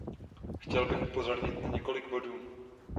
Chtěl bych upozornit na několik bodů.